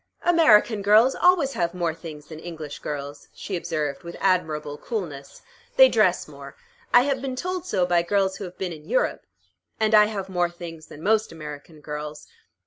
"American girls always have more things than English girls," she observed, with admirable coolness. "They dress more. I have been told so by girls who have been in Europe. And I have more things than most American girls.